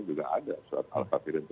juga ada surat al kafir itu